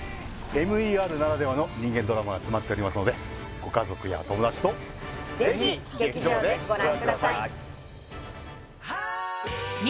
「ＭＥＲ」ならではの人間ドラマが詰まっておりますのでご家族や友達とぜひ劇場でご覧くださいみ